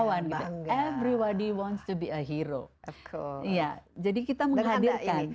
bagaimana melawan semuanya ingin menjadi hero jadi kita menghadirkan